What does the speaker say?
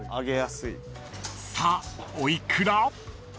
［さあお幾ら？］